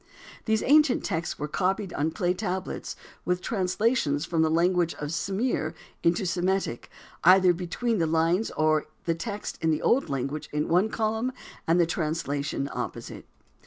These ancient texts were copied on clay tablets with translations from the language of Sumir into Semitic, either between the lines or the text in the old language in one column and the translation opposite.